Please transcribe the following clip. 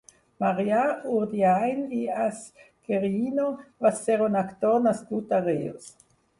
Marià Urdiain i Asquerino va ser un actor nascut a Reus.